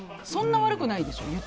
そんな悪くないでしょ。